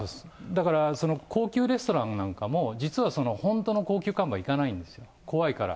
だから高級レストランなんかも、実は本当の高級幹部は行かないんですよ、怖いから。